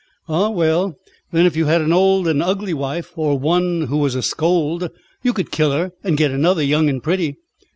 "Ah, well. Then if you had an old and ugly wife, or one who was a scold, you could kill her and get another, young and pretty."